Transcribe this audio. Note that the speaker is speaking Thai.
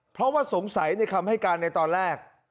เพราะว่าสงสัยในคำให้การในตอนแรก